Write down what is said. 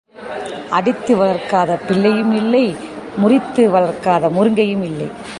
அடித்து வளர்க்காத பிள்ளையும் இல்லை முறித்து வளர்க்காத முருங்கையும் இல்லை.